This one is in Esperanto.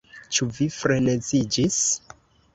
Ĉu vi freneziĝis?